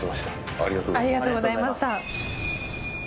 ありがとうございます。